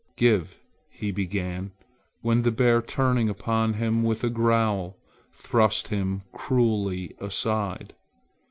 "Give " he began, when the bear turning upon him with a growl, thrust him cruelly aside.